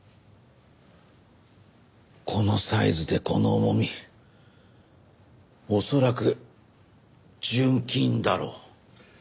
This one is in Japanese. このサイズでこの重み恐らく純金だろう。